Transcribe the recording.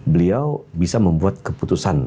beliau bisa membuat keputusan